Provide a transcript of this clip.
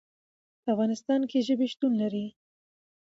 په افغانستان کې ژبې شتون لري.